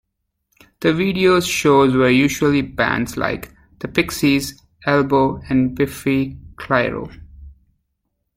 The videos shown were usually bands like The Pixies, Elbow and Biffy Clyro.